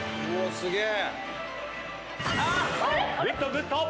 すげえ！